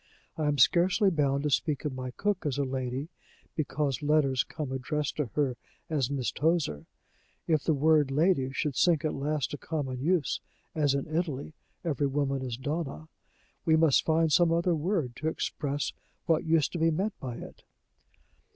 I am scarcely bound to speak of my cook as a lady because letters come addressed to her as Miss Tozer. If the word 'lady' should sink at last to common use, as in Italy every woman is Donna, we must find some other word to ex press what used to be meant by it."